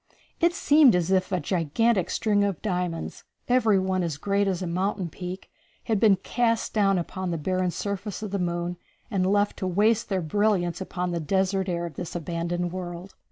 It seemed as if a gigantic string of diamonds, every one as great as a mountain peak, had been cast down upon the barren surface of the moon and left to waste their brilliance upon the desert air of this abandoned world.